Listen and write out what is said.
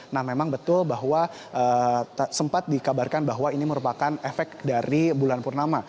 nah memang betul bahwa sempat dikabarkan bahwa ini merupakan efek dari bulan purnama